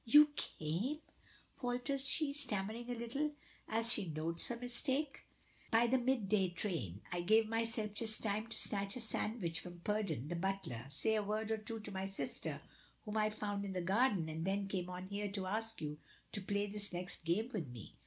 "You came " falters she, stammering a little, as she notes her mistake. "By the mid day train; I gave myself just time to snatch a sandwich from Purdon (the butler), say a word or two to my sister, whom I found in the garden, and then came on here to ask you to play this next game with me."